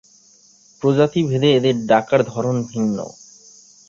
প্রজাতি ভেদে এদের ডাকার ধরন ভিন্ন।